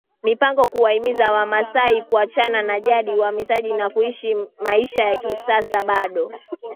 mipango kuwahimiza Wamasai kuachana na jadi ya uhamaji ili kuishi maisha ya kisasa bado